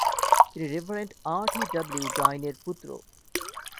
তিনি reverend R. T. W ব্রাইনের পুত্র।